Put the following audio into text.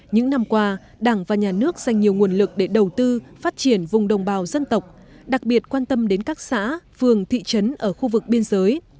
những năm qua đảng và nhà nước dành nhiều nguồn lực để đầu tư phát triển vùng đồng bào dân tộc đặc biệt quan tâm đến các xã phường thị trấn ở khu vực biên giới